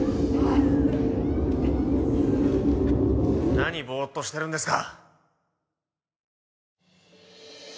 何ボーッとしてるんですか！